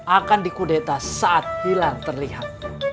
akan dikudeta saat hilang terlihat